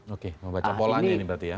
oke membaca polanya ini berarti ya